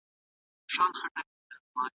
انسانان هڅه کوي هېر کړي خو زړه نه مني.